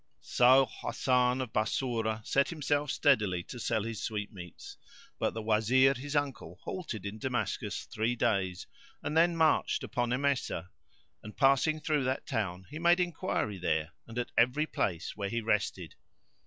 So Hasan of Bassorah set himself steadily to sell his sweetmeats; but the Wazir, his uncle, halted in Damascus three days and then marched upon Emesa, and passing through that town he made enquiry there and at every place where he rested.